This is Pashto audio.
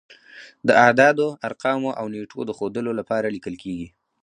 د اعدادو، ارقامو او نېټو د ښودلو لپاره لیکل کیږي.